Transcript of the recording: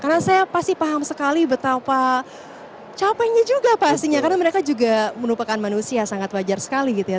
karena saya pasti paham sekali betapa capeknya juga pastinya karena mereka juga merupakan manusia sangat wajar sekali gitu ya